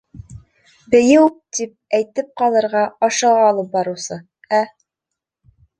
«Бейеү...» тип әйтеп ҡалырға ашыға алып барыусы, ә